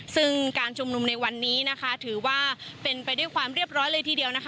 ซึ่งการชุมนุมในวันนี้นะคะถือว่าเป็นไปด้วยความเรียบร้อยเลยทีเดียวนะคะ